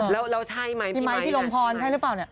ใช่แล้วใช่ไหมพี่ไหมพี่ลมพรใช่หรือเปล่า